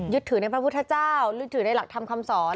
ถือในพระพุทธเจ้ายึดถือในหลักธรรมคำสอน